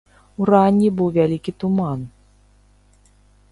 Уранні быў вялікі туман.